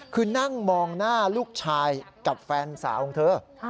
คือนั่งมองหน้าลูกชายกับแฟนสาวของเธอ